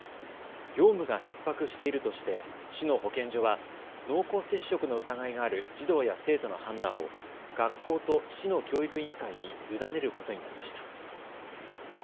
業務がひっ迫しているとして市の保健所は濃厚接触の疑いがある児童や生徒の判断を学校と市の教育委員会に委ねることになりました。